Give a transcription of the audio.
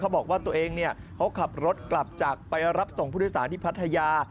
บอกว่าตัวเองเขาขับรถกลับจากไปรับส่งผู้โดยสารที่พัทยา